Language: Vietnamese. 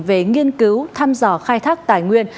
về nghiên cứu thăm dò khai thác tài nguyên